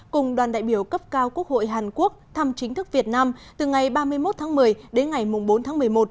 cùng đoàn đại biểu cấp cao quốc hội hàn quốc thăm chính thức việt nam từ ngày ba mươi một tháng một mươi đến ngày bốn tháng một mươi một